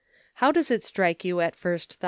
How does it strike you at first thought